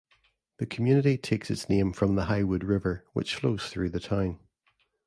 The community takes its name from the Highwood River, which flows through the town.